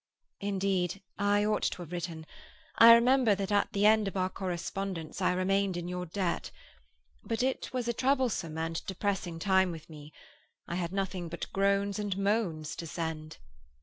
"Indeed I ought to have written. I remember that at the end of our correspondence I remained in your debt. But it was a troublesome and depressing time with me. I had nothing but groans and moans to send."